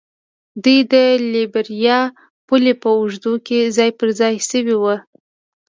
دوی د لایبیریا پولې په اوږدو کې ځای پر ځای شوي وو.